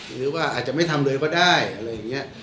หรือว่าอาจจะไม่ทำเลยก็ได้อะไรอย่างนี้